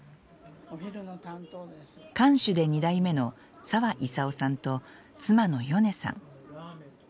館主で２代目の澤功さんと妻のヨネさん。